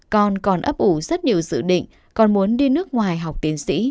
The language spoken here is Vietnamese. con còn ấp ủ rất nhiều dự định còn muốn đi nước ngoài học tiến sĩ